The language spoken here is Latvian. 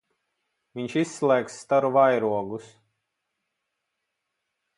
Viņš izslēgs staru vairogus.